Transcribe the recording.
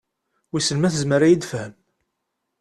Wissen ma tezmer ad iyi-d-tefhem?